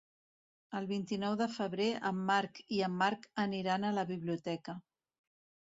El vint-i-nou de febrer en Marc i en Marc aniran a la biblioteca.